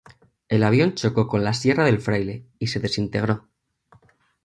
El avión chocó con La Sierra del Fraile y se desintegró.